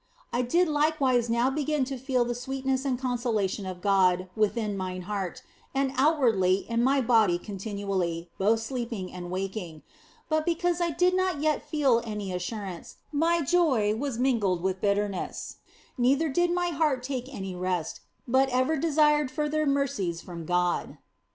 I did likewise now begin to feel the sweetness and consolation of God within mine heart, and outwardly in my body continually, both sleeping and waking ; but because I did not yet feel any assurance, my joy was mingled with bitterness, neither did my heart take any rest, but ever desired further mercies from God.